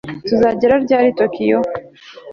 Tuzagera ryari Tokiyo